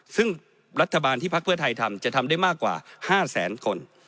ซึ่งรัฐบาลที่พักเพื่อไทยทำจะทำได้มากกว่า๕แสนคน